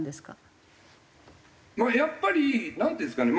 やっぱりなんていうんですかね。